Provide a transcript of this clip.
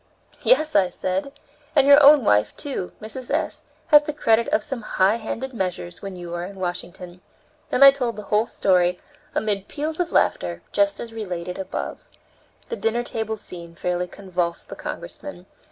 "Yes," I said, "and your own wife, too, Mrs. S., has the credit of some high handed measures when you are in Washington." Then I told the whole story, amid peals of laughter, just as related above. The dinner table scene fairly convulsed the Congressman.